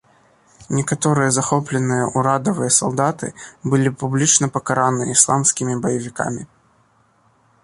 Некаторыя захопленыя ўрадавыя салдаты былі публічна пакараныя ісламскімі баевікамі.